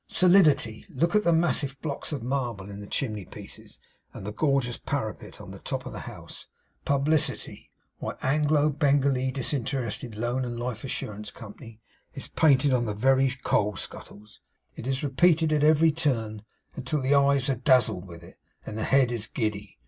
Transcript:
Solidity! Look at the massive blocks of marble in the chimney pieces, and the gorgeous parapet on the top of the house! Publicity! Why, Anglo Bengalee Disinterested Loan and Life Assurance company is painted on the very coal scuttles. It is repeated at every turn until the eyes are dazzled with it, and the head is giddy.